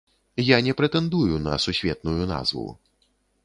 Я не прэтэндую на сусветную назву.